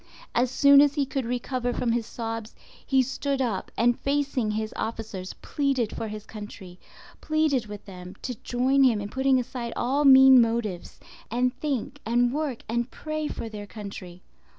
As soon as he could recover from his sobs, he stood up and, facing his officers, pleaded for his country—pleaded with them to join him in putting aside all mean motives, and think and work and pray for their country.